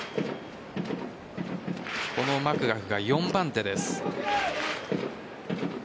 このマクガフが４番手です。